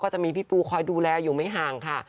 จะมีพี่ปูคอยดูแลอยู่ไม่ห่างค่ะ